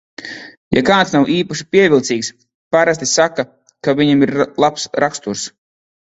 Ja kāds nav īpaši pievilcīgs, parasti saka, ka viņam ir labs raksturs.